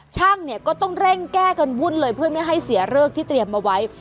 ช่างเนี่ยก็ต้องเร่งแก้กันวุ่นเลยเพื่อไม่ให้เสียเลิกที่เตรียมเอาไว้